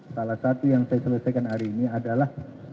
salah satu yang saya selesaikan hari ini adalah